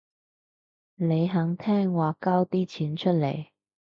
你肯聽話交啲錢出嚟